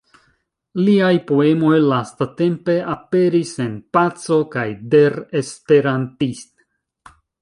Liaj poemoj lastatempe aperis en "Paco" kaj "Der Esperantist".